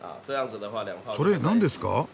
それ何ですか？